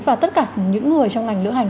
và tất cả những người trong ngành lữ hành